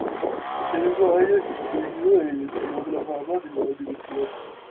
Ese mismo año es incluido en el Salón de la Fama de la universidad.